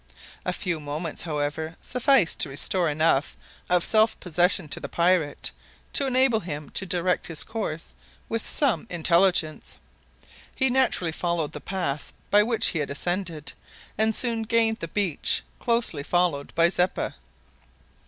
A few moments, however, sufficed to restore enough of self possession to the pirate to enable him to direct his course with some intelligence. He naturally followed the path by which he had ascended, and soon gained the beach, closely followed by Zeppa.